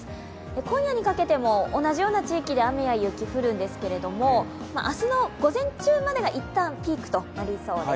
今夜にかけても同じような地域で雨や雪が降るんですけども、明日の午前中までが一旦ピークとなりそうです。